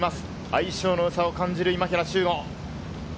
相性の良さを感じさせる今平周吾。